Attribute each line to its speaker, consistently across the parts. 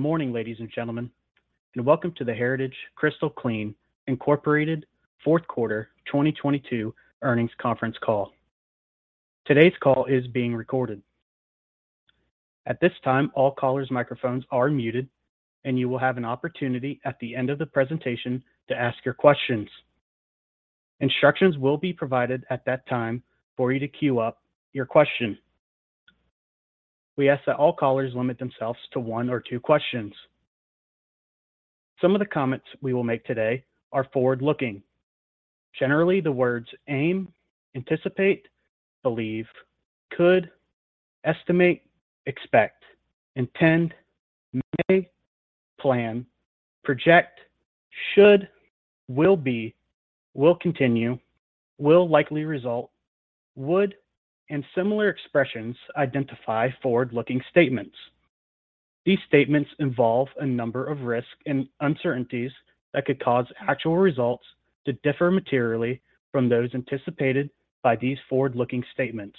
Speaker 1: Good morning, ladies and gentlemen, and welcome to the Heritage-Crystal Clean, Incorporated fourth quarter 2022 earnings conference call. Today's call is being recorded. At this time, all callers' microphones are muted, and you will have an opportunity at the end of the presentation to ask your questions. Instructions will be provided at that time for you to queue up your question. We ask that all callers limit themselves to one or two questions. Some of the comments we will make today are forward-looking. Generally, the words aim, anticipate, believe, could, estimate, expect, intend, may, plan, project, should, will be, will continue, will likely result, would, and similar expressions identify forward-looking statements. These statements involve a number of risks and uncertainties that could cause actual results to differ materially from those anticipated by these forward-looking statements.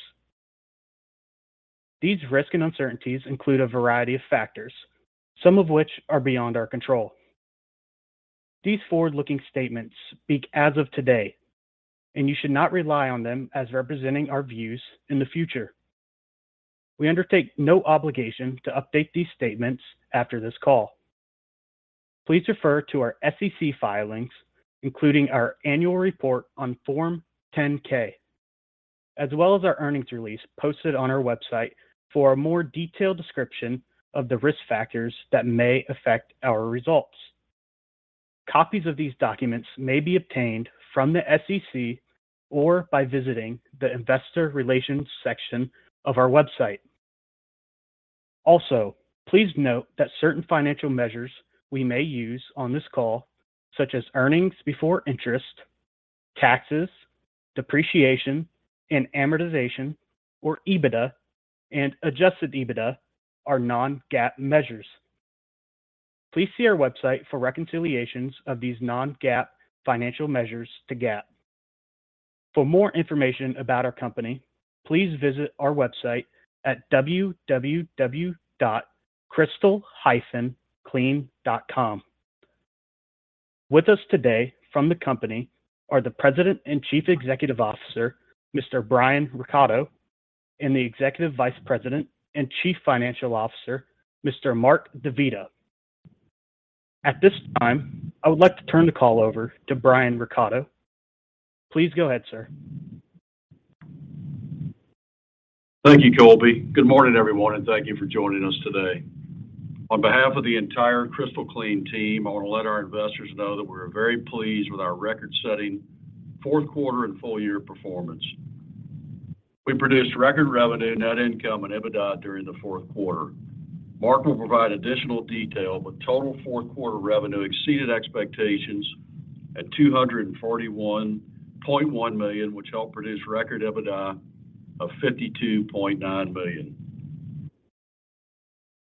Speaker 1: These risks and uncertainties include a variety of factors, some of which are beyond our control. These forward-looking statements speak as of today, and you should not rely on them as representing our views in the future. We undertake no obligation to update these statements after this call. Please refer to our SEC filings, including our annual report on Form 10-K, as well as our earnings release posted on our website for a more detailed description of the risk factors that may affect our results. Copies of these documents may be obtained from the SEC or by visiting the investor relations section of our website. Also, please note that certain financial measures we may use on this call, such as earnings before interest, taxes, depreciation, and amortization, or EBITDA and Adjusted EBITDA, are Non-GAAP measures. Please see our website for reconciliations of these Non-GAAP financial measures to GAAP. For more information about our company, please visit our website at www.crystal-clean.com. With us today from the company are the President and Chief Executive Officer, Mr. Brian Recatto, and the Executive Vice President and Chief Financial Officer, Mr. Mark DeVita. At this time, I would like to turn the call over to Brian Recatto. Please go ahead, sir.
Speaker 2: Thank you, Colby. Good morning, everyone, thank you for joining us today. On behalf of the entire Crystal Clean team, I want to let our investors know that we're very pleased with our record-setting fourth quarter and full-year performance. We produced record revenue, net income, and EBITDA during the fourth quarter. Mark will provide additional detail, but total fourth quarter revenue exceeded expectations at $241.1 million, which helped produce record EBITDA of $52.9 million.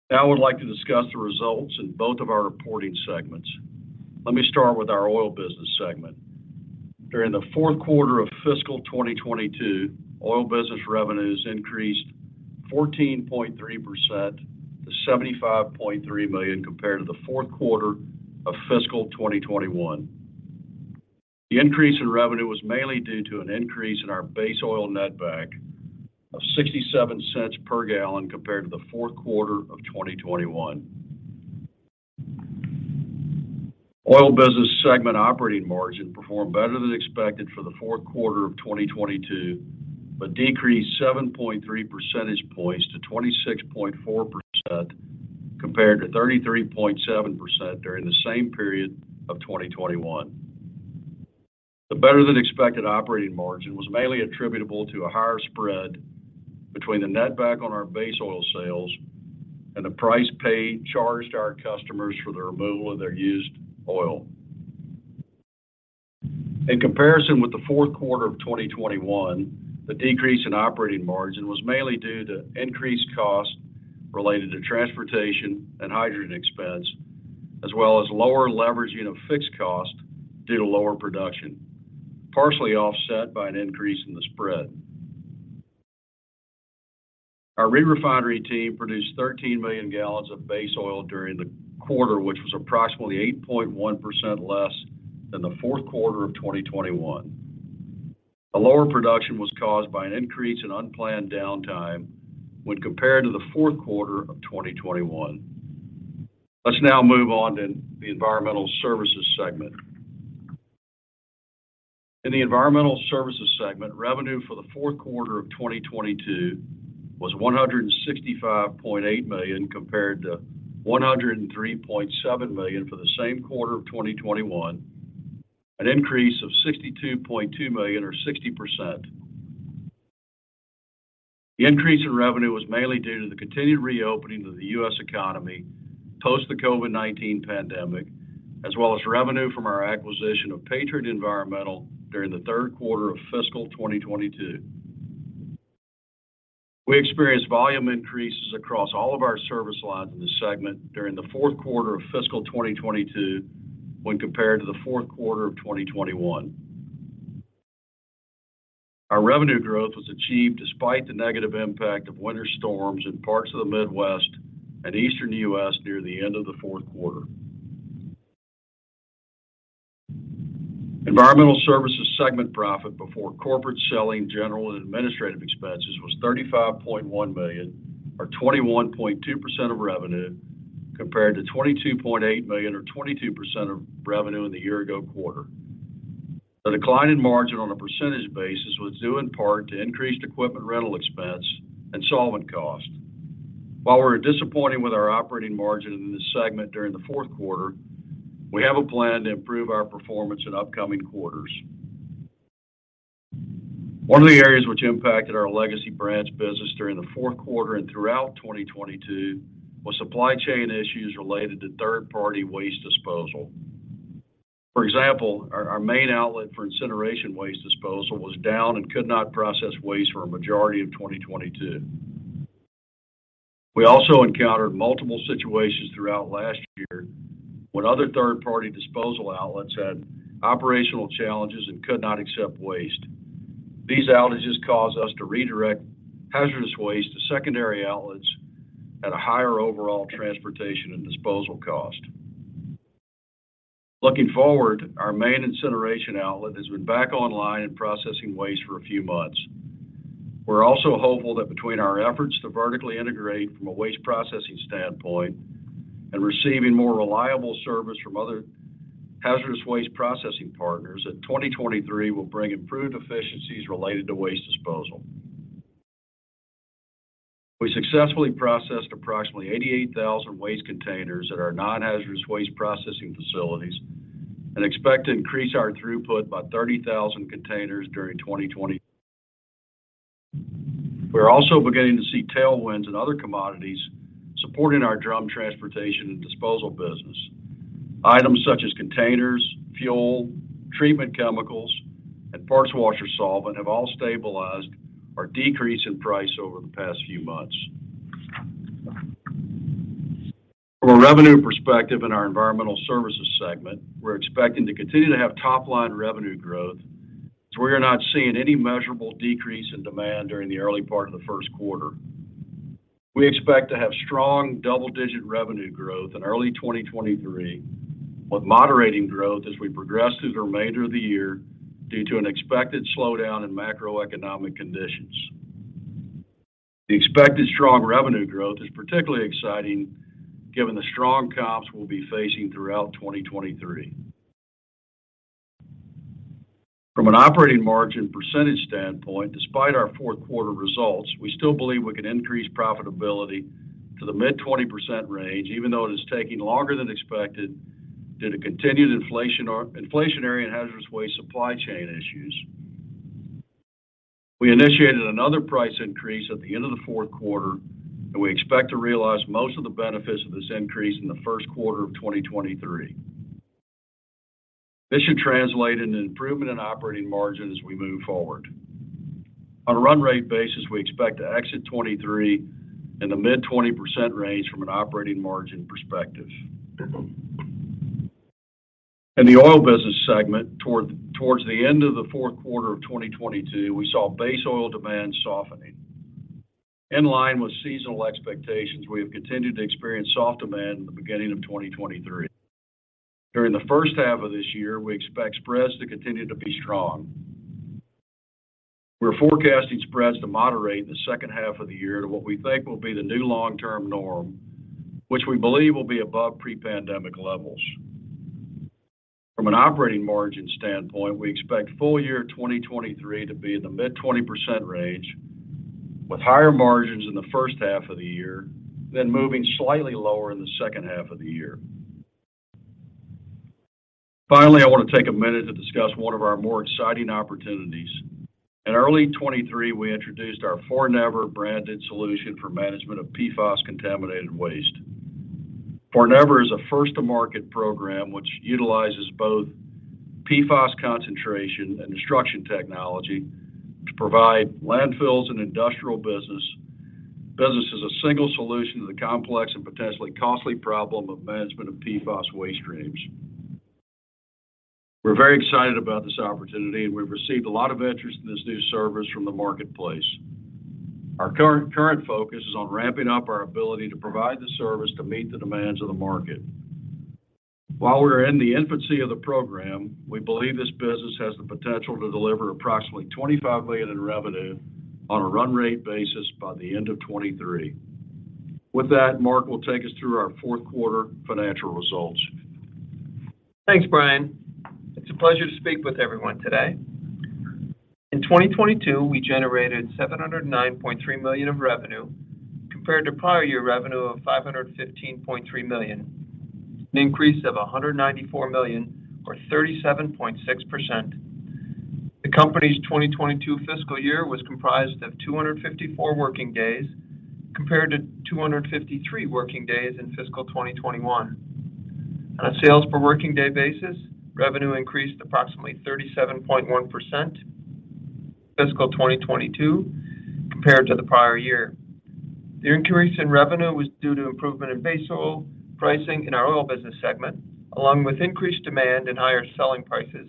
Speaker 2: Now I would like to discuss the results in both of our reporting segments. Let me start with our Oil Business segment. During the fourth quarter of fiscal 2022, Oil Business revenues increased 14.3% to $75.3 million compared to the fourth quarter of fiscal 2021. The increase in revenue was mainly due to an increase in our base oil netback of $0.67 per gallon compared to the fourth quarter of 2021. Oil Business segment operating margin performed better than expected for the fourth quarter of 2022, but decreased 7.3 percentage points to 26.4% compared to 33.7% during the same period of 2021. The better-than-expected operating margin was mainly attributable to a higher spread between the netback on our base oil sales and the price paid charged to our customers for the removal of their used oil. In comparison with the fourth quarter of 2021, the decrease in operating margin was mainly due to increased costs related to transportation and hydrogen expense, as well as lower leveraging of fixed cost due to lower production, partially offset by an increase in the spread. Our re-refinery team produced 13 million gallons of base oil during the quarter, which was approximately 8.1% less than the fourth quarter of 2021. A lower production was caused by an increase in unplanned downtime when compared to the fourth quarter of 2021. Let's now move on to the Environmental Services segment. In the Environmental Services segment, revenue for the fourth quarter of 2022 was $165.8 million compared to $103.7 million for the same quarter of 2021, an increase of $62.2 million or 60%. The increase in revenue was mainly due to the continued reopening of the U.S. economy post the COVID-19 pandemic, as well as revenue from our acquisition of Patriot Environmental during the third quarter of fiscal 2022. We experienced volume increases across all of our service lines in this segment during the fourth quarter of fiscal 2022 when compared to the fourth quarter of 2021. Our revenue growth was achieved despite the negative impact of winter storms in parts of the Midwest and Eastern U.S. near the end of the fourth quarter. Environmental Services segment profit before corporate, selling, general, and administrative expenses was $35.1 million or 21.2% of revenue compared to $22.8 million or 22% of revenue in the year-ago quarter. The decline in margin on a percentage basis was due in part to increased equipment rental expense and solvent cost. While we're disappointing with our operating margin in this segment during the fourth quarter, we have a plan to improve our performance in upcoming quarters. One of the areas which impacted our legacy branch business during the fourth quarter and throughout 2022 was supply chain issues related to third-party waste disposal. For example, our main outlet for incineration waste disposal was down and could not process waste for a majority of 2022. We also encountered multiple situations throughout last year when other third-party disposal outlets had operational challenges and could not accept waste. These outages caused us to redirect hazardous waste to secondary outlets at a higher overall transportation and disposal cost. Looking forward, our main incineration outlet has been back online and processing waste for a few months. We're also hopeful that between our efforts to vertically integrate from a waste processing standpoint and receiving more reliable service from other hazardous waste processing partners that 2023 will bring improved efficiencies related to waste disposal. We successfully processed approximately 88,000 waste containers at our non-hazardous waste processing facilities and expect to increase our throughput by 30,000 containers during 2023. We're also beginning to see tailwinds in other commodities supporting our drum transportation and disposal business. Items such as containers, fuel, treatment chemicals, and parts washer solvent have all stabilized or decreased in price over the past few months. From a revenue perspective in our Environmental Services segment, we're expecting to continue to have top-line revenue growth as we are not seeing any measurable decrease in demand during the early part of the first quarter. We expect to have strong double-digit revenue growth in early 2023, with moderating growth as we progress through the remainder of the year due to an expected slowdown in macroeconomic conditions. The expected strong revenue growth is particularly exciting given the strong comps we'll be facing throughout 2023. From an operating margin percentage standpoint, despite our fourth-quarter results, we still believe we can increase profitability to the mid 20% range, even though it is taking longer than expected due to continued inflationary and hazardous waste supply chain issues. We initiated another price increase at the end of the fourth quarter, and we expect to realize most of the benefits of this increase in the first quarter of 2023. This should translate into improvement in operating margin as we move forward. On a run rate basis, we expect to exit 2023 in the mid-20% range from an operating margin perspective. In the Oil Business segment, towards the end of the fourth quarter of 2022, we saw base oil demand softening. In line with seasonal expectations, we have continued to experience soft demand in the beginning of 2023. During the first half of this year, we expect spreads to continue to be strong. We're forecasting spreads to moderate in the second half of the year to what we think will be the new long-term norm, which we believe will be above pre-pandemic levels. From an operating margin standpoint, we expect full year 2023 to be in the mid-20% range with higher margins in the first half of the year, moving slightly lower in the second half of the year. Finally, I want to take a minute to discuss one of our more exciting opportunities. In early 2023, we introduced our 4never branded solution for management of PFAS contaminated waste. 4never is a first-to-market program which utilizes both PFAS concentration and destruction technology to provide landfills and industrial businesses a single solution to the complex and potentially costly problem of management of PFAS waste streams. We're very excited about this opportunity, we've received a lot of interest in this new service from the marketplace. Our current focus is on ramping up our ability to provide the service to meet the demands of the market. While we are in the infancy of the program, we believe this business has the potential to deliver approximately $25 million in revenue on a run rate basis by the end of 2023. Mark will take us through our fourth-quarter financial results.
Speaker 3: Thanks, Brian. It's a pleasure to speak with everyone today. In 2022, we generated $709.3 million of revenue compared to prior year revenue of $515.3 million, an increase of $194 million or 37.6%. The company's 2022 fiscal year was comprised of 254 working days compared to 253 working days in fiscal 2021. On a sales per working day basis, revenue increased approximately 37.1% fiscal 2022 compared to the prior year. The increase in revenue was due to improvement in base oil pricing in our Oil Business segment, along with increased demand and higher selling prices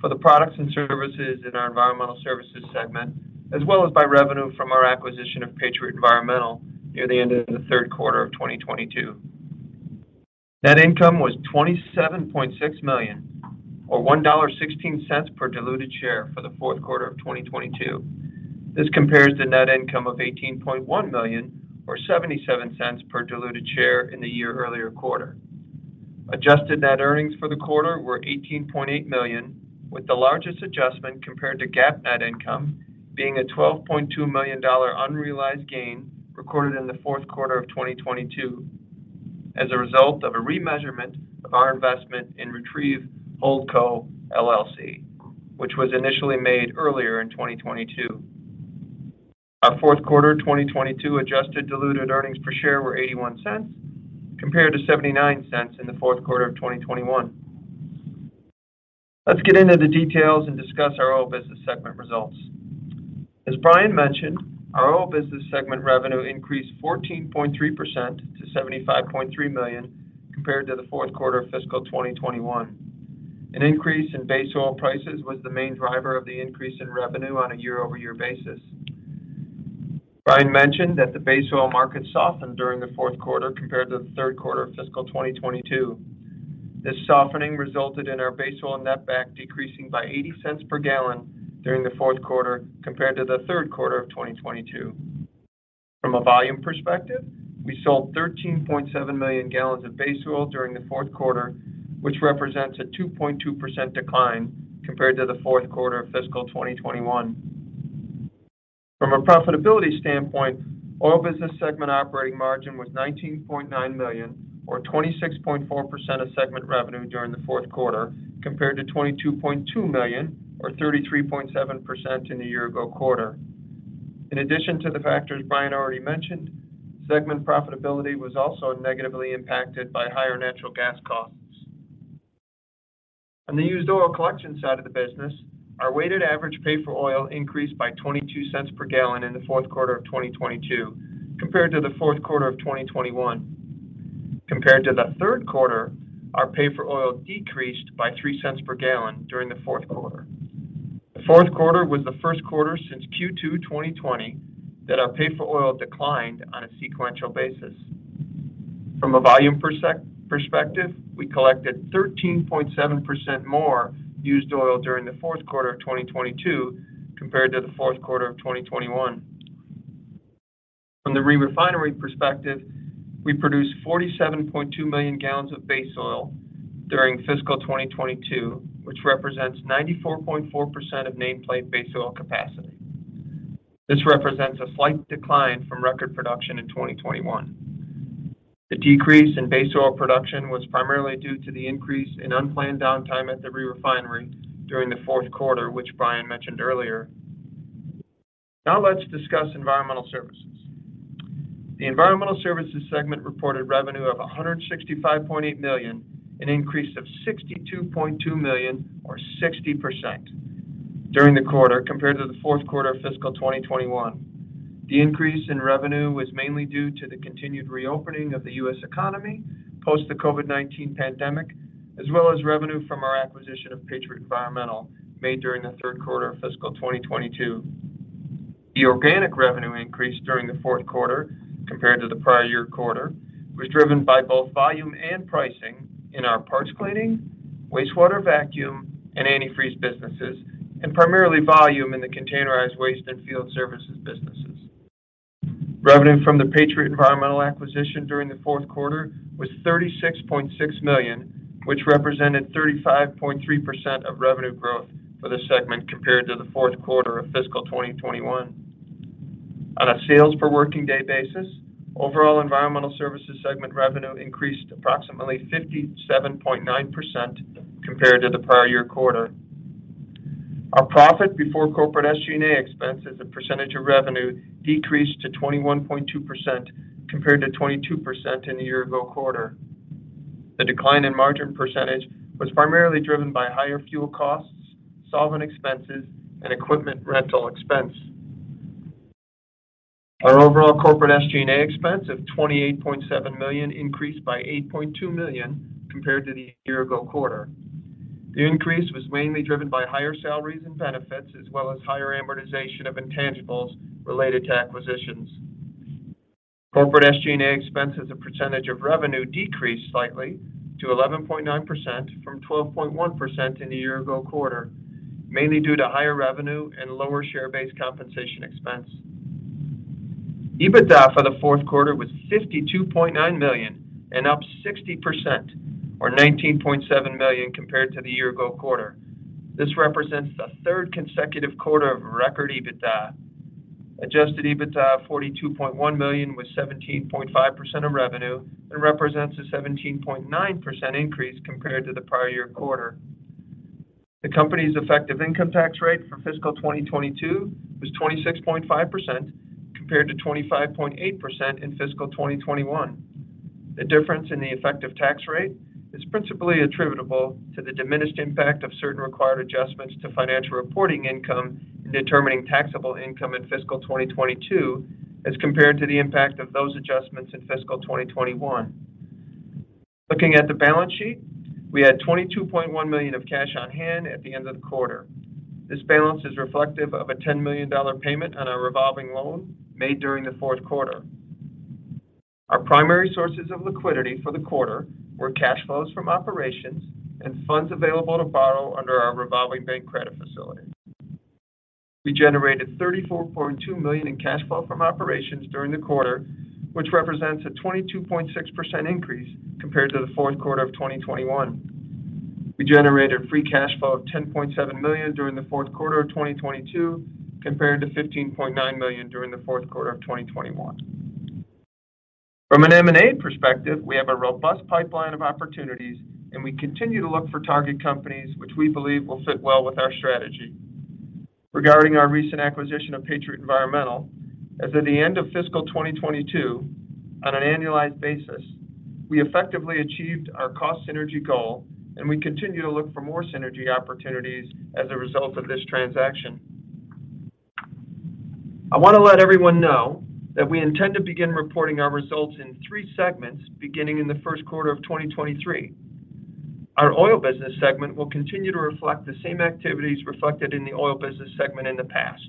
Speaker 3: for the products and services in our Environmental Services segment, as well as by revenue from our acquisition of Patriot Environmental near the end of the third quarter of 2022. Net income was $27.6 million, or $1.16 per diluted share for the fourth quarter of 2022. This compares to net income of $18.1 million, or $0.77 per diluted share in the year-earlier quarter. Adjusted net earnings for the quarter were $18.8 million, with the largest adjustment compared to GAAP net income being a $12.2 million unrealized gain recorded in the fourth quarter of 2022 as a result of a remeasurement of our investment in Retriev Holdco, LLC, which was initially made earlier in 2022. Our fourth quarter 2022 adjusted diluted earnings per share were $0.81 compared to $0.79 in the fourth quarter of 2021. Let's get into the details and discuss our Oil Business segment results. As Brian mentioned, our Oil Business segment revenue increased 14.3% to $75.3 million compared to the fourth quarter of fiscal 2021. An increase in base oil prices was the main driver of the increase in revenue on a year-over-year basis. Brian mentioned that the base oil market softened during the fourth quarter compared to the third quarter of fiscal 2022. This softening resulted in our base oil netback decreasing by $0.80 per gallon during the fourth quarter compared to the third quarter of 2022. From a volume perspective, we sold 13.7 million gallons of base oil during the fourth quarter, which represents a 2.2% decline compared to the fourth quarter of fiscal 2021. From a profitability standpoint, Oil Business segment operating margin was $19.9 million or 26.4% of segment revenue during the fourth quarter compared to $22.2 million or 33.7% in the year ago quarter. In addition to the factors Brian already mentioned, segment profitability was also negatively impacted by higher natural gas costs. On the used oil collection side of the business, our weighted average pay for oil increased by $0.22 per gallon in the fourth quarter of 2022 compared to the fourth quarter of 2021. Compared to the third quarter, our pay for oil decreased by $0.03 per gallon during the fourth quarter. The fourth quarter was the first quarter since Q2 2020 that our pay for oil declined on a sequential basis. From a volume perspective, we collected 13.7% more used oil during the fourth quarter of 2022 compared to the fourth quarter of 2021. From the re-refinery perspective, we produced 47.2 million gallons of base oil during fiscal 2022, which represents 94.4% of nameplate base oil capacity. This represents a slight decline from record production in 2021. The decrease in base oil production was primarily due to the increase in unplanned downtime at the re-refinery during the fourth quarter, which Brian mentioned earlier. Let's discuss Environmental Services. The Environmental Services segment reported revenue of $165.8 million, an increase of $62.2 million or 60% during the quarter compared to the fourth quarter of fiscal 2021. The increase in revenue was mainly due to the continued reopening of the U.S. economy post the COVID-19 pandemic, as well as revenue from our acquisition of Patriot Environmental made during the third quarter of fiscal 2022. The organic revenue increase during the fourth quarter compared to the prior year quarter was driven by both volume and pricing in our parts cleaning, wastewater vacuum, and antifreeze businesses, and primarily volume in the containerized waste and field services businesses. Revenue from the Patriot Environmental acquisition during the fourth quarter was $36.6 million, which represented 35.3% of revenue growth for this segment compared to the fourth quarter of fiscal 2021. On a sales per working day basis, overall Environmental Services segment revenue increased approximately 57.9% compared to the prior year quarter. Our profit before corporate SG&A expense as a percentage of revenue decreased to 21.2% compared to 22% in the year ago quarter. The decline in margin percentage was primarily driven by higher fuel costs, solvent expenses, and equipment rental expense. Our overall corporate SG&A expense of $28.7 million increased by $8.2 million compared to the year ago quarter. The increase was mainly driven by higher salaries and benefits as well as higher amortization of intangibles related to acquisitions. Corporate SG&A expense as a percentage of revenue decreased slightly to 11.9% from 12.1% in the year-ago quarter, mainly due to higher revenue and lower share-based compensation expense. EBITDA for the fourth quarter was $52.9 million and up 60% or $19.7 million compared to the year-ago quarter. This represents the third consecutive quarter of record EBITDA. Adjusted EBITDA of $42.1 million was 17.5% of revenue and represents a 17.9% increase compared to the prior year quarter. The company's effective income tax rate for fiscal 2022 was 26.5% compared to 25.8% in fiscal 2021. The difference in the effective tax rate is principally attributable to the diminished impact of certain required adjustments to financial reporting income in determining taxable income in fiscal 2022 as compared to the impact of those adjustments in fiscal 2021. Looking at the balance sheet, we had $22.1 million of cash on hand at the end of the quarter. This balance is reflective of a $10 million payment on our revolving loan made during the fourth quarter. Our primary sources of liquidity for the quarter were cash flows from operations and funds available to borrow under our revolving bank credit facility. We generated $34.2 million in cash flow from operations during the quarter, which represents a 22.6% increase compared to the fourth quarter of 2021. We generated free cash flow of $10.7 million during the fourth quarter of 2022, compared to $15.9 million during the fourth quarter of 2021. From an M&A perspective, we have a robust pipeline of opportunities, we continue to look for target companies which we believe will fit well with our strategy. Regarding our recent acquisition of Patriot Environmental, as of the end of fiscal 2022, on an annualized basis, we effectively achieved our cost synergy goal, we continue to look for more synergy opportunities as a result of this transaction. I want to let everyone know that we intend to begin reporting our results in three segments beginning in the first quarter of 2023. Our Oil Business segment will continue to reflect the same activities reflected in the Oil Business segment in the past.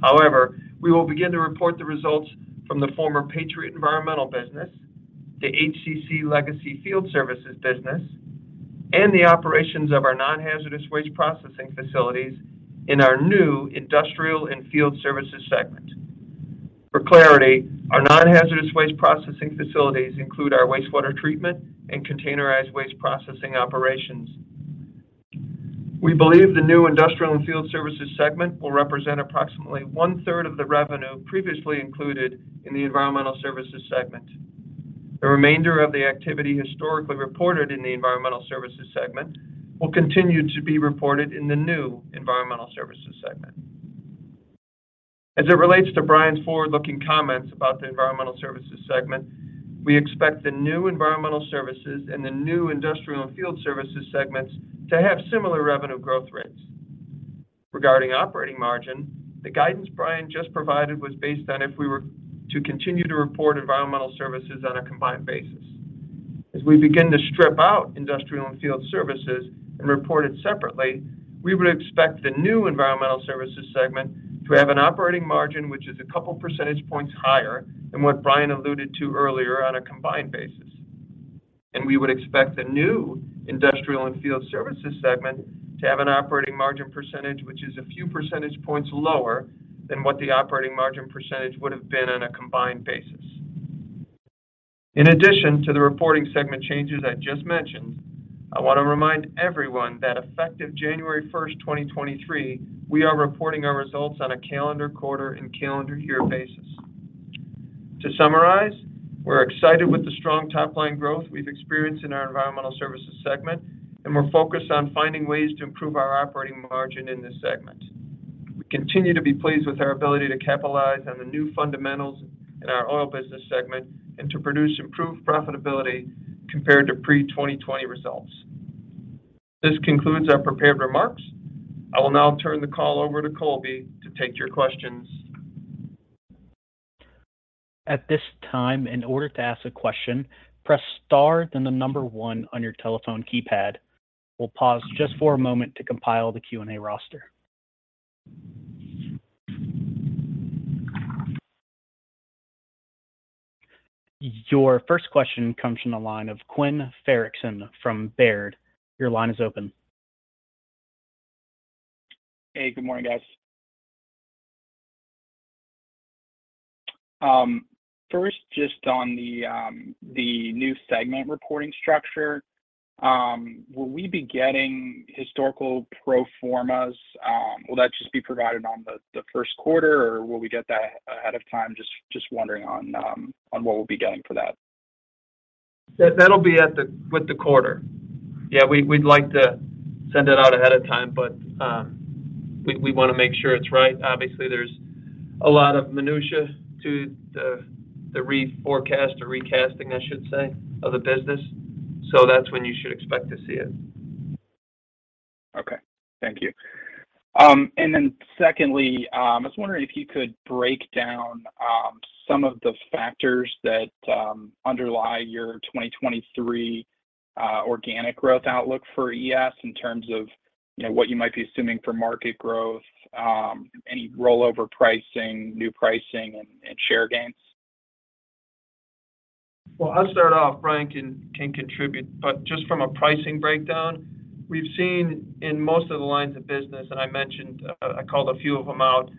Speaker 3: However, we will begin to report the results from the former Patriot Environmental business, the HCC Legacy Field Services business, and the operations of our non-hazardous waste processing facilities in our new Industrial and Field Services segment. For clarity, our non-hazardous waste processing facilities include our wastewater treatment and containerized waste processing operations. We believe the new Industrial and Field Services segment will represent approximately 1/3 of the revenue previously included in the Environmental Services segment. The remainder of the activity historically reported in the Environmental Services segment will continue to be reported in the new Environmental Services segment. As it relates to Brian's forward-looking comments about the Environmental Services segment, we expect the new Environmental Services and the new Industrial and Field Services segments to have similar revenue growth rates. Regarding operating margin, the guidance Brian just provided was based on if we were to continue to report Environmental Services on a combined basis. As we begin to strip out Industrial and Field Services and report it separately, we would expect the new Environmental Services segment to have an operating margin which is a couple percentage points higher than what Brian alluded to earlier on a combined basis. We would expect the new Industrial and Field Services segment to have an operating margin percentage which is a few percentage points lower than what the operating margin percentage would have been on a combined basis. In addition to the reporting segment changes I just mentioned, I want to remind everyone that effective January 1st, 2023, we are reporting our results on a calendar quarter and calendar year basis. To summarize, we're excited with the strong top-line growth we've experienced in our Environmental Services segment, we're focused on finding ways to improve our operating margin in this segment. We continue to be pleased with our ability to capitalize on the new fundamentals in our Oil Business segment and to produce improved profitability compared to pre-2020 results. This concludes our prepared remarks. I will now turn the call over to Colby to take your questions.
Speaker 1: At this time, in order to ask a question, press star then one on your telephone keypad. We'll pause just for a moment to compile the Q&A roster. Your first question comes from the line of Quinn Fredrickson from Baird. Your line is open.
Speaker 4: Hey, good morning, guys. First, just on the new segment reporting structure, will we be getting historical pro formas? Will that just be provided on the first quarter, or will we get that ahead of time? Just wondering on what we'll be getting for that.
Speaker 3: That'll be at the with the quarter. Yeah, we'd like to send it out ahead of time, but we wanna make sure it's right. Obviously, there's a lot of minutiae to the reforecast or recasting, I should say, of the business. That's when you should expect to see it.
Speaker 4: Okay. Thank you. Then secondly, I was wondering if you could break down some of the factors that underlie your 2023 organic growth outlook for ES in terms of, you know, what you might be assuming for market growth, any rollover pricing, new pricing and share gains.
Speaker 3: Well, I'll start off. Brian can contribute. Just from a pricing breakdown, we've seen in most of the lines of business, and I mentioned, I called a few of them out,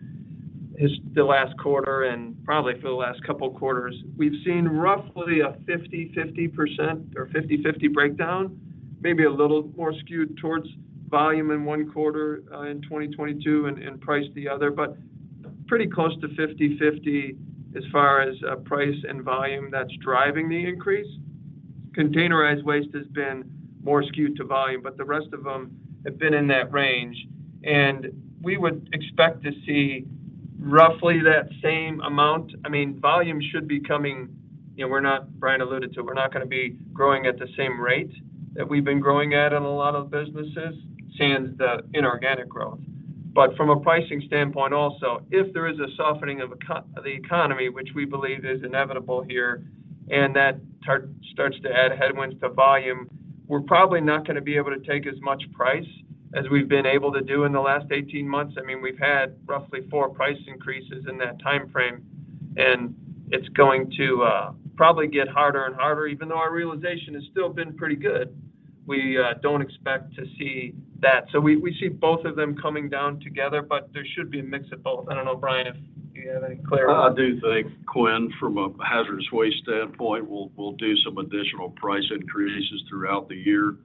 Speaker 3: is the last quarter and probably for the last couple quarters. We've seen roughly a 50%–50% or 50/50 breakdown, maybe a little more skewed towards volume in one quarter, in 2022 and price the other. Pretty close to 50/50 as far as price and volume that's driving the increase. Containerized waste has been more skewed to volume, but the rest of them have been in that range. We would expect to see roughly that same amount. I mean, volume should be coming. You know, Brian alluded to, we're not gonna be growing at the same rate that we've been growing at in a lot of businesses sans the inorganic growth. From a pricing standpoint also, if there is a softening of the economy, which we believe is inevitable here, and that starts to add headwinds to volume, we're probably not gonna be able to take as much price as we've been able to do in the last 18 months. I mean, we've had roughly four price increases in that timeframe, and it's going to probably get harder and harder, even though our realization has still been pretty good. We don't expect to see that. We see both of them coming down together, but there should be a mix of both. I don't know, Brian, if you have any clarity.
Speaker 2: I do think, Quinn, from a hazardous waste standpoint, we'll do some additional price increases throughout the year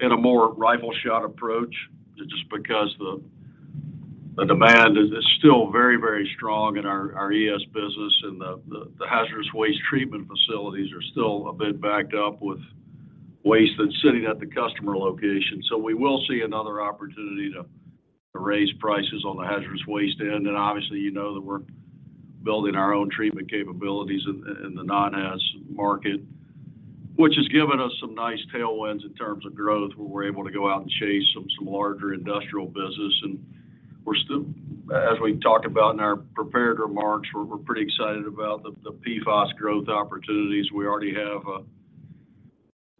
Speaker 2: in a more rifle shot approach just because the demand is still very, very strong in our ES business, and the hazardous waste treatment facilities are still a bit backed up with waste that's sitting at the customer location. We will see another opportunity to raise prices on the hazardous waste end. Obviously, you know that we're building our own treatment capabilities in the non-haz market, which has given us some nice tailwinds in terms of growth, where we're able to go out and chase some larger industrial business. As we talked about in our prepared remarks, we're pretty excited about the PFAS growth opportunities. We already have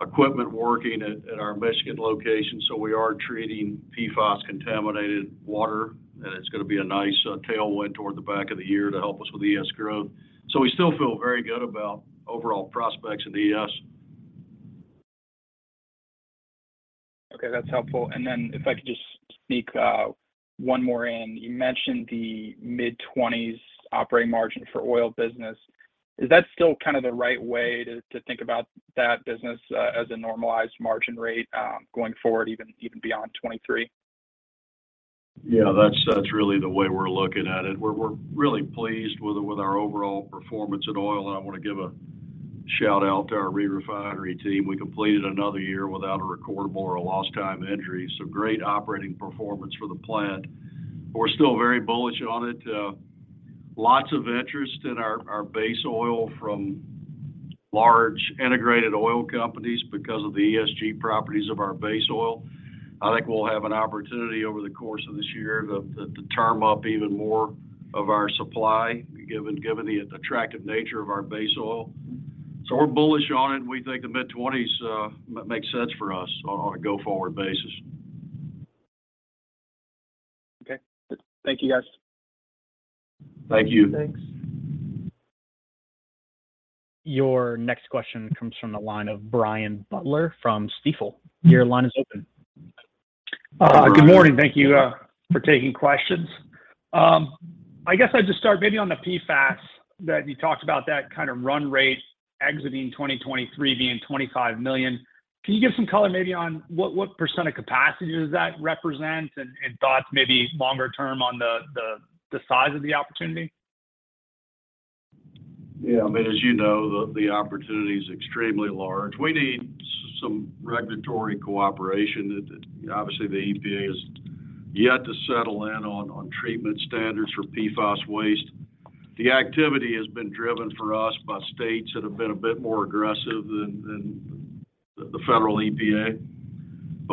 Speaker 2: equipment working at our Michigan location. We are treating PFAS contaminated water. It's gonna be a nice tailwind toward the back of the year to help us with ES growth. We still feel very good about overall prospects in ES.
Speaker 4: Okay. That's helpful. If I could just sneak one more in. You mentioned the mid-20s operating margin for Oil Business. Is that still kind of the right way to think about that business as a normalized margin rate going forward even beyond 2023?
Speaker 2: Yeah. That's really the way we're looking at it. We're really pleased with our overall performance at oil, and I wanna give a shout-out to our re-refinery team. We completed another year without a recordable or a lost time injury. Great operating performance for the plant. We're still very bullish on it. Lots of interest in our base oil from large integrated oil companies because of the ESG properties of our base oil. I think we'll have an opportunity over the course of this year to term up even more of our supply given the attractive nature of our base oil. We're bullish on it, and we think the mid-20s makes sense for us on a go-forward basis.
Speaker 4: Okay. Thank you, guys.
Speaker 2: Thank you.
Speaker 3: Thanks.
Speaker 1: Your next question comes from the line of Brian Butler from Stifel. Your line is open.
Speaker 5: Good morning. Thank you for taking questions. I guess I'd just start maybe on the PFAS that you talked about, that kind of run rate exiting 2023 being $25 million. Can you give some color maybe on what percent of capacity does that represent? And thoughts maybe longer term on the size of the opportunity?
Speaker 2: Yeah. I mean, as you know, the opportunity is extremely large. We need some regulatory cooperation. Obviously, the EPA has yet to settle in on treatment standards for PFAS waste. The activity has been driven for us by states that have been a bit more aggressive than the federal EPA.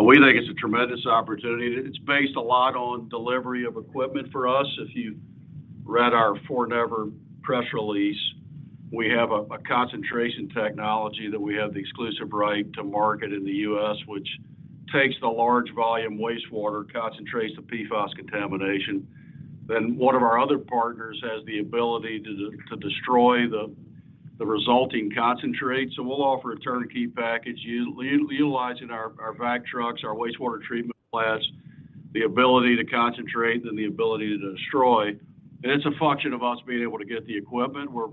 Speaker 2: We think it's a tremendous opportunity. It's based a lot on delivery of equipment for us. If you read our 4never press release, we have a concentration technology that we have the exclusive right to market in the U.S., which takes the large volume wastewater, concentrates the PFAS contamination. One of our other partners has the ability to destroy the resulting concentrate. We'll offer a turnkey package utilizing our vac trucks, our wastewater treatment plants, the ability to concentrate, then the ability to destroy. It's a function of us being able to get the equipment. We're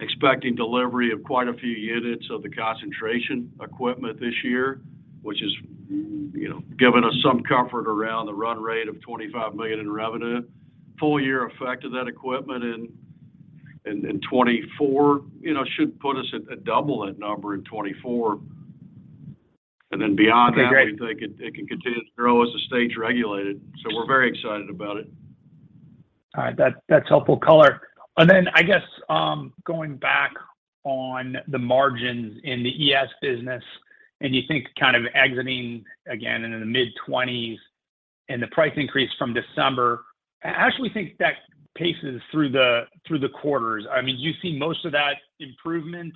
Speaker 2: expecting delivery of quite a few units of the concentration equipment this year, which is, you know, giving us some comfort around the run rate of $25 million in revenue. Full year effect of that equipment in 2024, you know, should put us at double that number in 2024. Beyond that—
Speaker 5: Okay, great.
Speaker 2: —we think it can continue to grow as the state's regulated. We're very excited about it.
Speaker 5: All right. That's helpful color. I guess, going back on the margins in the ES business, and you think kind of exiting again into the mid-20s% and the price increase from December. How do you think that paces through the quarters? I mean, do you see most of that improvement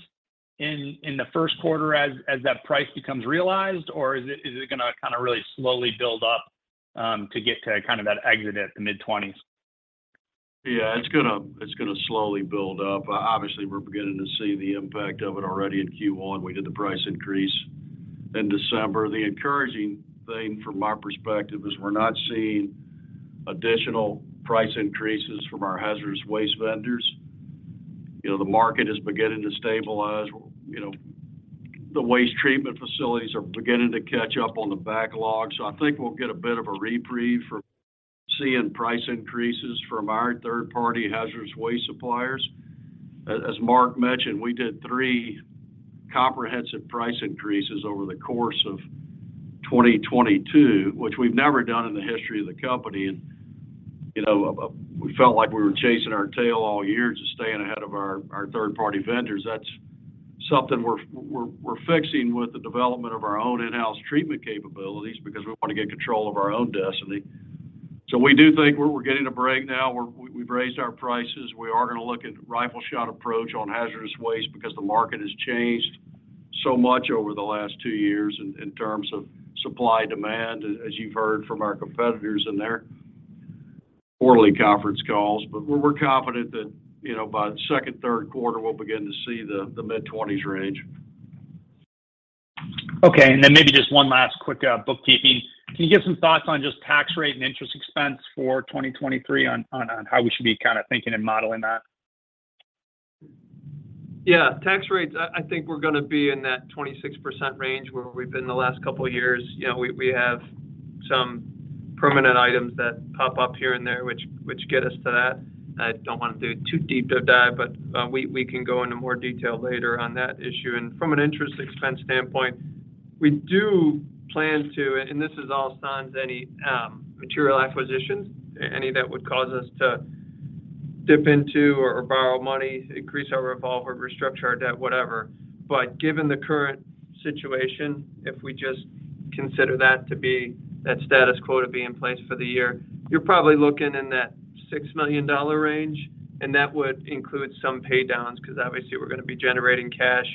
Speaker 5: in the first quarter as that price becomes realized? Or is it gonna kind of really slowly build up to get to kind of that exit at the mid-20s%?
Speaker 2: Yeah. It's gonna slowly build up. obviously, we're beginning to see the impact of it already in Q1. We did the price increase in December. The encouraging thing from my perspective is we're not seeing additional price increases from our hazardous waste vendors. You know, the market is beginning to stabilize. You know, the waste treatment facilities are beginning to catch up on the backlog. I think we'll get a bit of a reprieve from seeing price increases from our third-party hazardous waste suppliers. As Mark mentioned, we did three comprehensivee price increases over the course of 2022, which we've never done in the history of the company, and, you know, we felt like we were chasing our tail all year just staying ahead of our third-party vendors. That's something we're fixing with the development of our own in-house treatment capabilities because we wanna get control of our own destiny. We do think we're getting a break now. We've raised our prices. We are gonna look at rifle shot approach on hazardous waste because the market has changed so much over the last two years in terms of supply demand, as you've heard from our competitors in their quarterly conference calls. We're confident that, you know, by second, third quarter, we'll begin to see the mid-20s range.
Speaker 5: Okay. maybe just one last quick, bookkeeping. Can you give some thoughts on just tax rate and interest expense for 2023 on how we should be kinda thinking and modeling that?
Speaker 3: Yeah. Tax rates, I think we're gonna be in that 26% range where we've been the last couple years. You know, we have some permanent items that pop up here and there which get us to that. I don't wanna do too deep dive, but we can go into more detail later on that issue. From an interest expense standpoint, we do plan to, and this is all sans any material acquisitions, any that would cause us to dip into or borrow money, increase our revolver, restructure our debt, whatever. Given the current situation, if we just consider that to be that status quo to be in place for the year, you're probably looking in that $6 million range, and that would include some pay downs because obviously we're gonna be generating cash,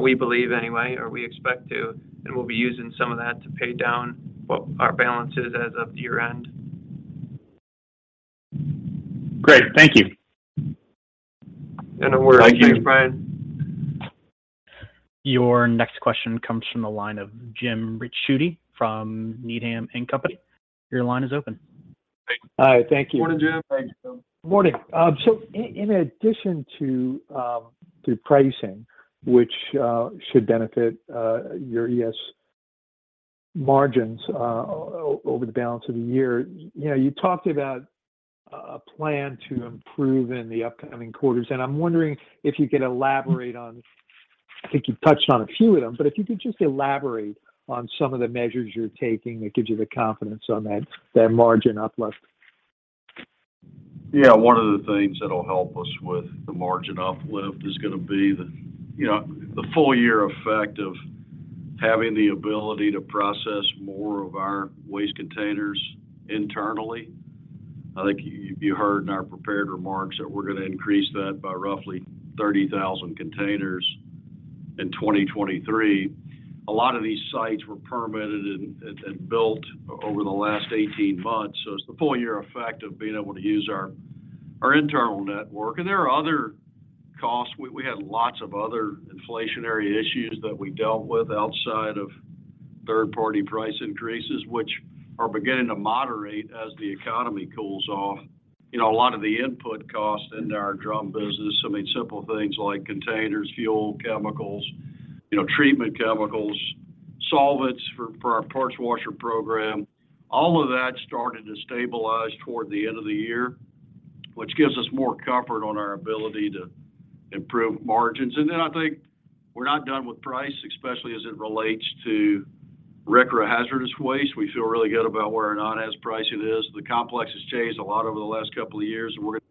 Speaker 3: we believe anyway, or we expect to, and we'll be using some of that to pay down what our balance is as of year-end.
Speaker 5: Great. Thank you.
Speaker 3: No worries.
Speaker 2: Thank you.
Speaker 3: Thanks, Brian.
Speaker 1: Your next question comes from the line of Jim Ricchiuti from Needham & Company. Your line is open.
Speaker 2: Great.
Speaker 6: Hi. Thank you.
Speaker 2: Morning, Jim.
Speaker 3: Thank you, Jim.
Speaker 6: Morning. In addition to the pricing which should benefit your ES margins over the balance of the year, you know, you talked about a plan to improve in the upcoming quarters, and I'm wondering if you could elaborate on, I think you've touched on a few of them, but if you could just elaborate on some of the measures you're taking that gives you the confidence on that margin uplift?
Speaker 2: Yeah. One of the things that'll help us with the margin uplift is gonna be the, you know, the full year effect of having the ability to process more of our waste containers internally. I think you heard in our prepared remarks that we're gonna increase that by roughly 30,000 containers in 2023. A lot of these sites were permitted and built over the last 18 months, so it's the full year effect of being able to use our internal network. There are other costs. We had lots of other inflationary issues that we dealt with outside of third-party price increases, which are beginning to moderate as the economy cools off. You know, a lot of the input costs into our drum business, I mean, simple things like containers, fuel, chemicals, you know, treatment chemicals, solvents for our parts washer program, all of that started to stabilize toward the end of the year, which gives us more comfort on our ability to improve margins. I think we're not done with price, especially as it relates to RCRA hazardous waste. We feel really good about where our non-haz pricing is. The complex has changed a lot over the last couple of years, and we're gonna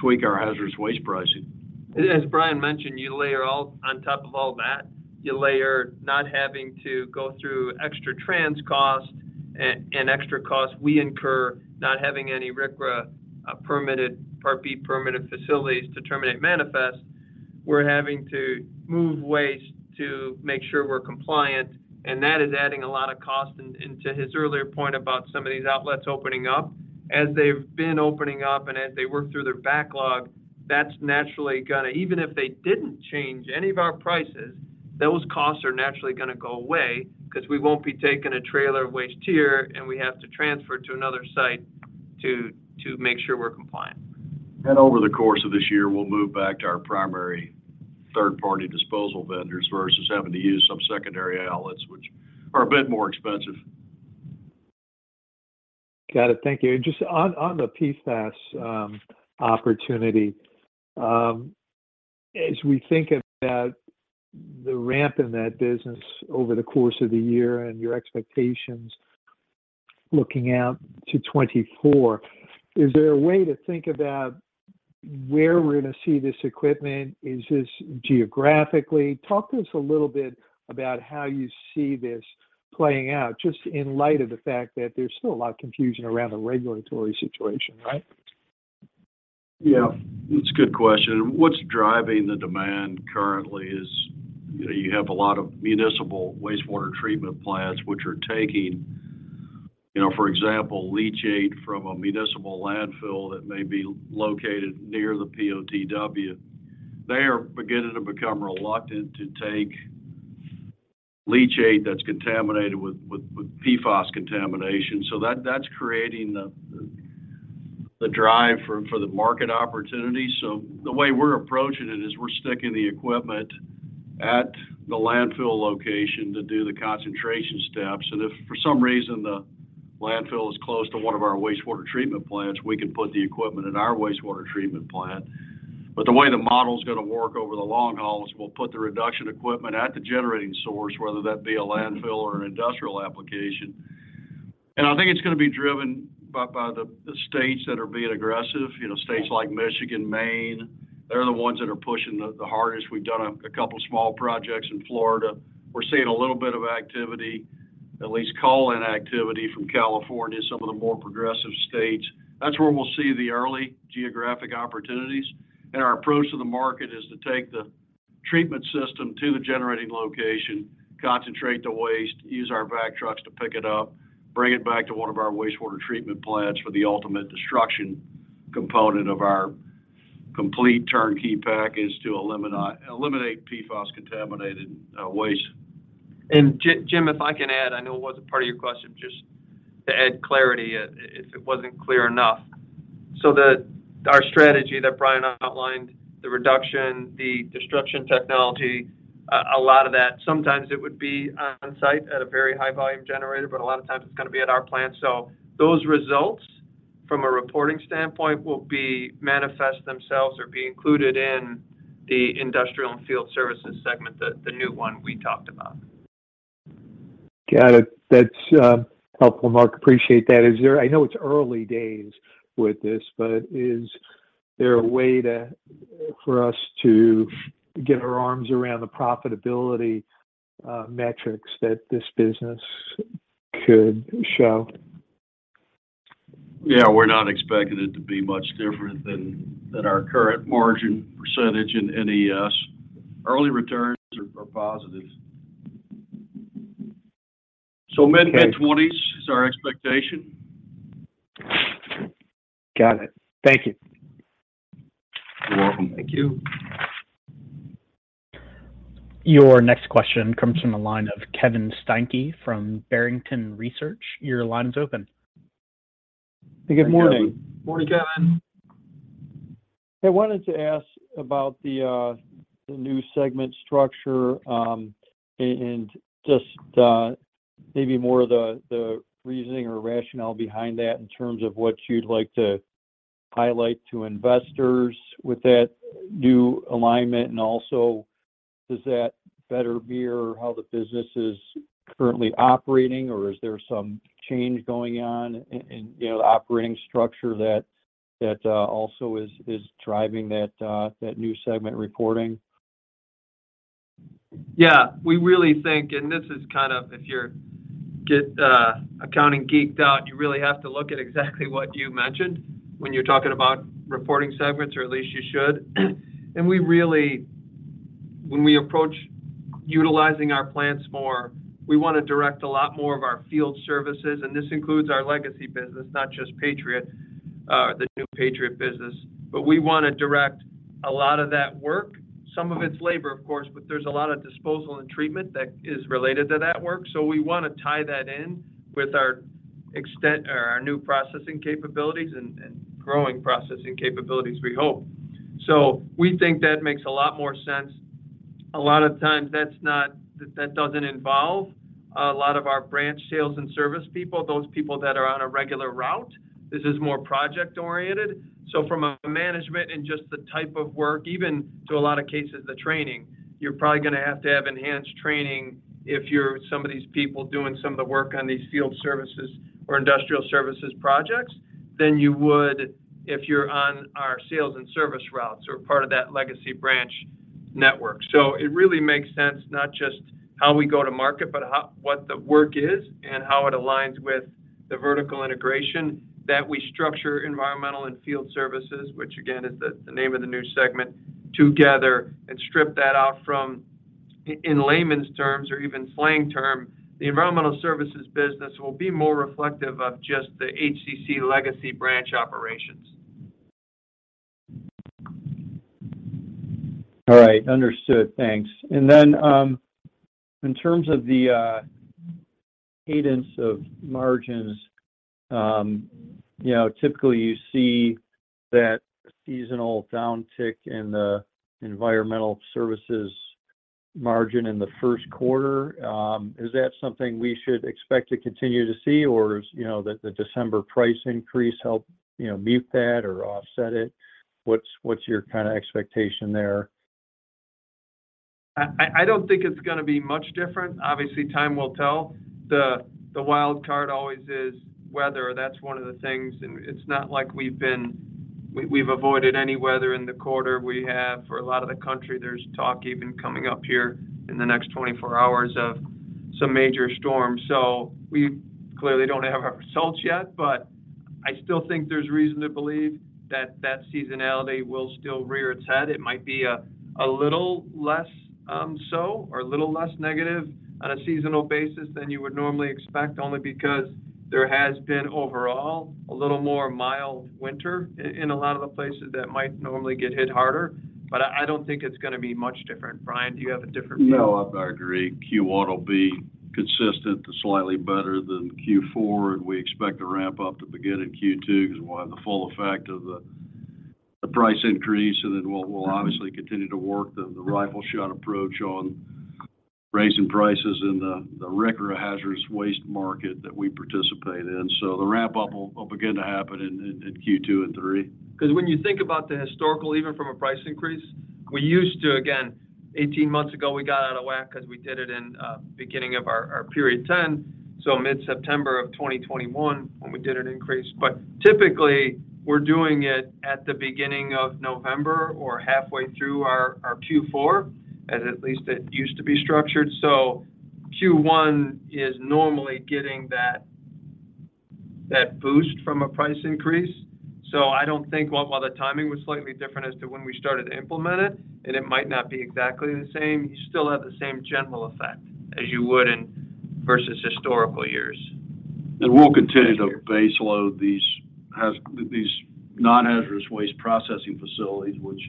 Speaker 2: tweak our hazardous waste pricing.
Speaker 3: As Brian mentioned, you layer on top of all that, you layer not having to go through extra trans cost and extra cost we incur not having any RCRA permitted, Part B permitted facilities to terminate manifests. We're having to move waste to make sure we're compliant, and that is adding a lot of cost. Into his earlier point about some of these outlets opening up, as they've been opening up and as they work through their backlog, even if they didn't change any of our prices, those costs are naturally gonna go away 'cause we won't be taking a trailer of waste here, and we have to transfer to another site to make sure we're compliant.
Speaker 2: Over the course of this year, we'll move back to our primary third-party disposal vendors versus having to use some secondary outlets, which are a bit more expensive.
Speaker 6: Got it. Thank you. Just on the PFAS opportunity, as we think about the ramp in that business over the course of the year and your expectations looking out to 2024, is there a way to think about where we're gonna see this equipment? Is this geographically? Talk to us a little bit about how you see this playing out, just in light of the fact that there's still a lot of confusion around the regulatory situation, right?
Speaker 2: Yeah. It's a good question. What's driving the demand currently is, you know, you have a lot of municipal wastewater treatment plants which are taking, you know, for example, leachate from a municipal landfill that may be located near the POTW. They are beginning to become reluctant to take leachate that's contaminated with PFAS contamination. That's creating the drive for the market opportunity. The way we're approaching it is we're sticking the equipment at the landfill location to do the concentration steps. If for some reason the landfill is close to one of our wastewater treatment plants, we can put the equipment at our wastewater treatment plant. The way the model's gonna work over the long haul is we'll put the reduction equipment at the generating source, whether that be a landfill or an industrial application. I think it's gonna be driven by the states that are being aggressive. You know, states like Michigan, Maine, they're the ones that are pushing the hardest. We've done a couple small projects in Florida. We're seeing a little bit of activity, at least call-in activity from California, some of the more progressive states. That's where we'll see the early geographic opportunities. Our approach to the market is to take the treatment system to the generating location, concentrate the waste, use our vac trucks to pick it up, bring it back to one of our wastewater treatment plants for the ultimate destruction component of our complete turnkey package to eliminate PFOS contaminated waste.
Speaker 3: Jim, if I can add, I know it wasn't part of your question, just to add clarity, if it wasn't clear enough. Our strategy that Brian outlined, the reduction, the destruction technology, a lot of that, sometimes it would be on site at a very high volume generator, but a lot of times it's gonna be at our plant. Those results from a reporting standpoint will be manifest themselves or be included in the Industrial and Field Services segment, the new one we talked about.
Speaker 6: Got it. That's helpful, Mark. Appreciate that. I know it's early days with this, but is there a way to, for us to get our arms around the profitability, metrics that this business could show?
Speaker 2: Yeah, we're not expecting it to be much different than our current margin percentage in NES. Early returns are positive, so mid-20s is our expectation.
Speaker 6: Got it. Thank you.
Speaker 2: You're welcome.
Speaker 3: Thank you.
Speaker 1: Your next question comes from the line of Kevin Steinke from Barrington Research. Your line is open.
Speaker 7: Good morning.
Speaker 2: Morning, Kevin.
Speaker 3: Morning.
Speaker 7: I wanted to ask about the new segment structure, and just maybe more of the reasoning or rationale behind that in terms of what you'd like to highlight to investors with that new alignment. Does that better mirror how the business is currently operating, or is there some change going on in, you know, the operating structure that also is driving that new segment reporting?
Speaker 3: Yeah, we really think, and this is kind of if you're accounting geeked out, you really have to look at exactly what you mentioned when you're talking about reporting segments, or at least you should. When we approach utilizing our plants more, we wanna direct a lot more of our field services, and this includes our legacy business, not just Patriot, the new Patriot business. We wanna direct a lot of that work. Some of it's labor, of course, but there's a lot of disposal and treatment that is related to that work. We wanna tie that in with our extent or our new processing capabilities and growing processing capabilities, we hope. We think that makes a lot more sense. A lot of times that doesn't involve a lot of our branch sales and service people, those people that are on a regular route. This is more project-oriented. From a management and just the type of work, even to a lot of cases, the training, you're probably gonna have to have enhanced training if you're some of these people doing some of the work on these field services or industrial services projects than you would if you're on our sales and service routes or part of that legacy branch network. It really makes sense not just how we go to market, but what the work is and how it aligns with the vertical integration that we structure Environmental and Field Services, which again, is the name of the new segment together, and strip that out from in layman's terms or even slang term, the Environmental Services business will be more reflective of just the HCC legacy branch operations.
Speaker 7: All right. Understood. Thanks. In terms of the cadence of margins, you know, typically you see that seasonal downtick in the Environmental Services margin in the first quarter. Is that something we should expect to continue to see, or, you know, the December price increase help, you know, mute that or offset it? What's your kinda expectation there?
Speaker 3: I don't think it's gonna be much different. Obviously, time will tell. The wild card always is weather. That's one of the things, and it's not like we've avoided any weather in the quarter. We have for a lot of the country, there's talk even coming up here in the next 24-hours of some major storms. We clearly don't have our results yet, but I still think there's reason to believe that that seasonality will still rear its head. It might be a little less so or a little less negative on a seasonal basis than you would normally expect, only because there has been overall a little more mild winter in a lot of the places that might normally get hit harder. I don't think it's gonna be much different. Brian, do you have a different view?
Speaker 2: No, I agree. Q1 will be consistent to slightly better than Q4, and we expect to ramp up the beginning of Q2 because we'll have the full effect of the price increase, and then we'll obviously continue to work the rifle shot approach on raising prices in the record hazardous waste market that we participate in. The ramp up will begin to happen in Q2 and Q3.
Speaker 3: 'Cause when you think about the historical, even from a price increase, we used to. Again, 18 months ago, we got out of whack 'cause we did it in beginning of our period 10, so mid-September of 2021 when we did an increase. Typically, we're doing it at the beginning of November or halfway through our Q4, as at least it used to be structured. Q1 is normally getting that boost from a price increase. I don't think while the timing was slightly different as to when we started to implement it, and it might not be exactly the same, you still have the same general effect as you would in versus historical years.
Speaker 2: We'll continue to base load these non-hazardous waste processing facilities, which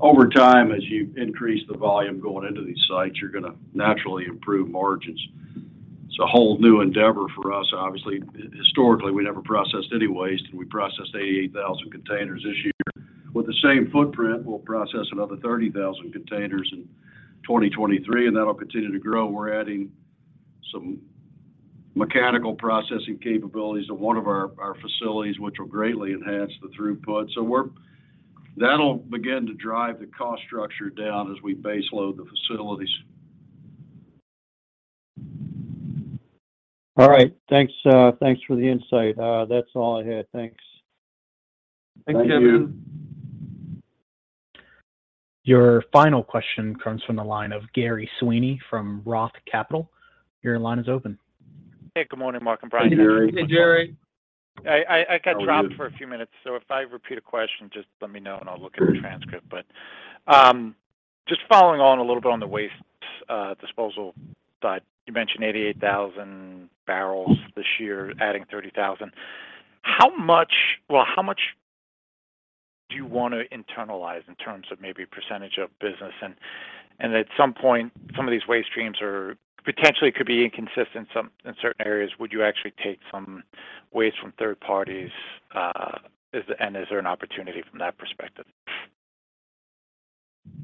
Speaker 2: over time, as you increase the volume going into these sites, you're gonna naturally improve margins. It's a whole new endeavor for us, obviously. Historically, we never processed any waste, and we processed 88,000 containers this year. With the same footprint, we'll process another 30,000 containers in 2023, and that'll continue to grow. We're adding some mechanical processing capabilities at one of our facilities, which will greatly enhance the throughput. That'll begin to drive the cost structure down as we base load the facilities.
Speaker 7: All right. Thanks, thanks for the insight. That's all I had. Thanks.
Speaker 3: Thanks, Kevin.
Speaker 2: Thank you.
Speaker 1: Your final question comes from the line of Gerry Sweeney from Roth Capital. Your line is open.
Speaker 8: Hey, good morning, Mark and Brian.
Speaker 2: Hey, Gerry.
Speaker 3: Hey, Gerry.
Speaker 8: I dropped for a few minutes, so if I repeat a question, just let me know, and I'll look at the transcript. Just following on a little bit on the waste disposal side. You mentioned 88,000 barrels this year, adding 30,000. How much do you wanna internalize in terms of maybe percentage of business? And at some point, some of these waste streams are potentially could be inconsistent some, in certain areas. Would you actually take some waste from third-parties? Is there an opportunity from that perspective?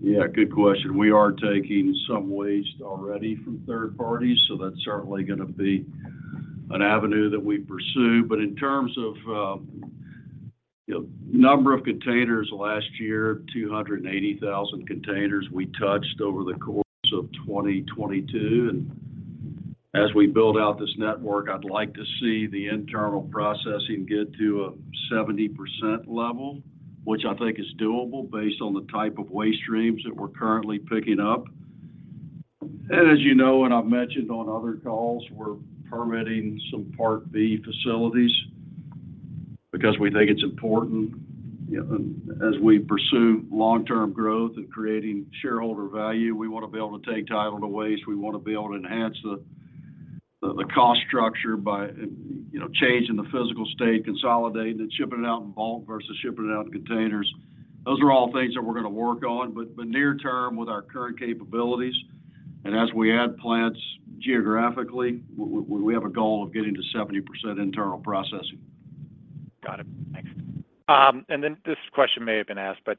Speaker 2: Good question. We are taking some waste already from third-parties, that's certainly gonna be an avenue that we pursue. In terms of, you know, number of containers last year, 280,000 containers we touched over the course of 2022. As we build out this network, I'd like to see the internal processing get to a 70% level, which I think is doable based on the type of waste streams that we're currently picking up. As you know, and I've mentioned on other calls, we're permitting some Part B facilities because we think it's important. You know, as we pursue long-term growth and creating shareholder value, we wanna be able to take title to waste. We wanna be able to enhance the cost structure by, you know, changing the physical state, consolidating and shipping it out in bulk versus shipping it out in containers. Those are all things that we're gonna work on. Near term, with our current capabilities, and as we add plants geographically, we have a goal of getting to 70% internal processing.
Speaker 8: Got it. Thanks. Then this question may have been asked, but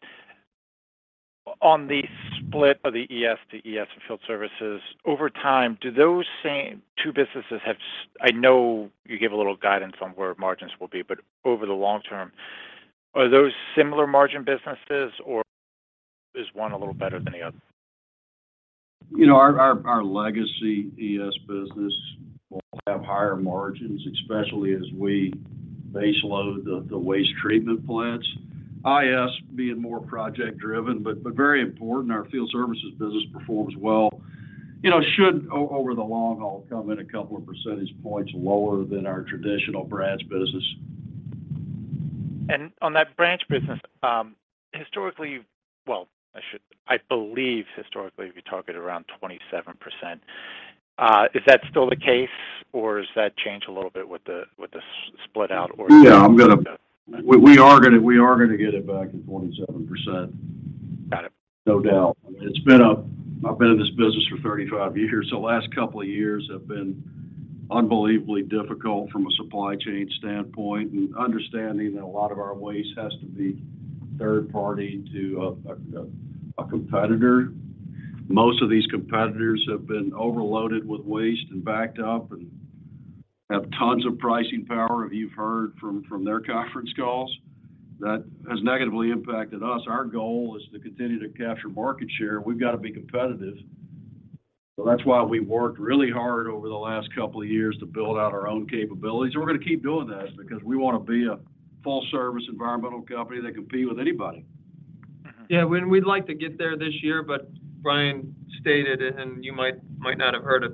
Speaker 8: on the split of the ES to ES and Field Services, over time, do those same two businesses have I know you give a little guidance on where margins will be, but over the long term, are those similar margin businesses, or is one a little better than the other?
Speaker 2: You know, our legacy ES business will have higher margins, especially as we base load the waste treatment plants. IS being more project-driven but very important. Our field services business performs well. You know, should over the long haul come in a couple of percentage points lower than our traditional branch business.
Speaker 8: On that branch business, historically, well, I believe historically, we target around 27%. Is that still the case, or does that change a little bit with the split out or?
Speaker 2: Yeah, I'm gonna, we are gonna get it back to 27%.
Speaker 8: Got it.
Speaker 2: No doubt. I mean, I've been in this business for 35 years. The last couple of years have been unbelievably difficult from a supply chain standpoint, and understanding that a lot of our waste has to be third-party to a competitor. Most of these competitors have been overloaded with waste and backed up and have tons of pricing power, if you've heard from their conference calls. That has negatively impacted us. Our goal is to continue to capture market share. We've got to be competitive. That's why we worked really hard over the last couple of years to build out our own capabilities, and we're gonna keep doing that because we wanna be a full-service environmental company that compete with anybody.
Speaker 3: We'd like to get there this year, Brian Recatto stated, and you might not have heard it,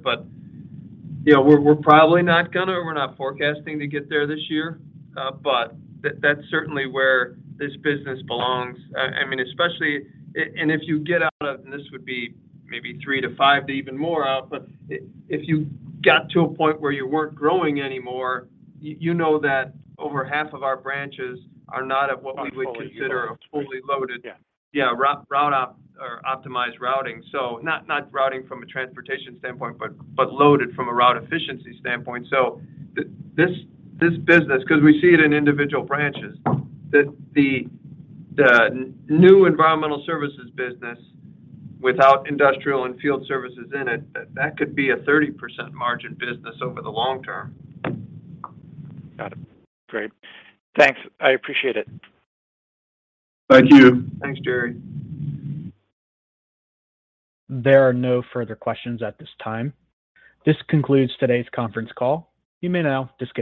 Speaker 3: you know, we're probably not going to, or we're not forecasting to get there this year. That's certainly where this business belongs. I mean, especially—and if you get out of, and this would be maybe three to five to even more out, if you got to a point where you weren't growing anymore, you know that over half of our branches are not at what we would consider a fully loaded
Speaker 8: Yeah.
Speaker 3: Yeah, route op or optimized routing. Not, not routing from a transportation standpoint, but loaded from a route efficiency standpoint. This, this business, because we see it in individual branches, that the new Environmental Services business without Industrial and Field Services in it, that could be a 30% margin business over the long term.
Speaker 8: Got it. Great. Thanks. I appreciate it.
Speaker 2: Thank you.
Speaker 3: Thanks, Gerry.
Speaker 1: There are no further questions at this time. This concludes today's conference call. You may now disconnect.